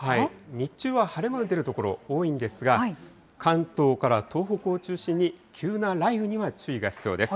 日中は晴れ間の出る所、多いんですが、関東から東北を中心に、急な雷雨には注意が必要です。